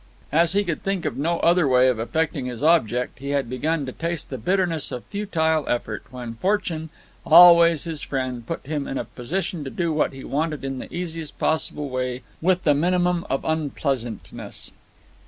As he could think of no other way of effecting his object, he had begun to taste the bitterness of futile effort, when fortune, always his friend, put him in a position to do what he wanted in the easiest possible way with the minimum of unpleasantness.